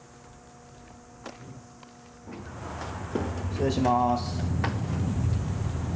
失礼します。